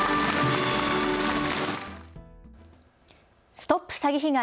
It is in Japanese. ＳＴＯＰ詐欺被害！